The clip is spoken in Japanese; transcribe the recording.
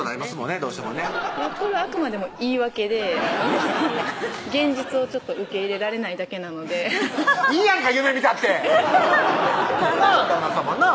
どうしてもこれはあくまでも言い訳で現実をちょっと受け入れられないだけなのでいいやんか夢見たって！なぁ